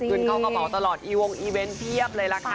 เงินเข้ากระเป๋าตลอดอีวงอีเวนต์เพียบเลยล่ะค่ะ